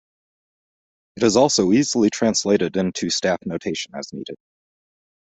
It is also easily translated into staff notation, as needed.